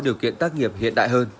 điều kiện tác nghiệp hiện đại hơn